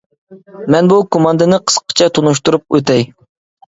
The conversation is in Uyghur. مەن بۇ كوماندىنى قىسقىچە تونۇشتۇرۇپ ئۆتەي.